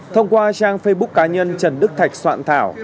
thông qua trang facebook cá nhân trần đức thạch soạn thảo